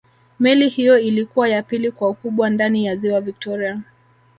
meli hiyo ilikuwa ya pili kwa ukubwa ndani ya ziwa victoria